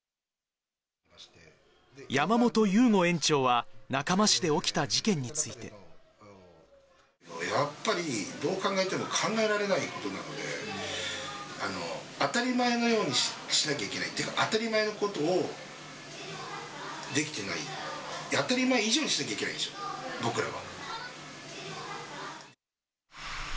山本ゆうご園長は中間市で起きたやっぱり、どう考えても考えられないことなので、当たり前のようにしなきゃいけない、っていうか、当たり前のことをできてない、当たり前以上にしなきゃいけないでしょ、僕らは。